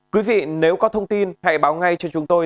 quý vị nếu có thông tin hãy báo ngay cho chúng tôi